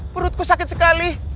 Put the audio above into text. perutku sakit sekali